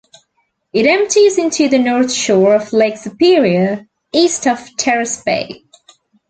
It empties into the north shore of Lake Superior east of Terrace Bay.